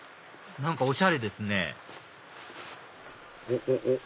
何かおしゃれですねおっ？